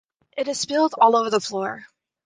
It is spilled all over the floor.